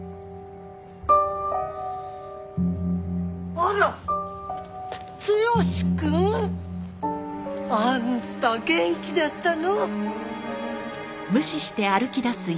あら剛くん！？あんた元気だったの？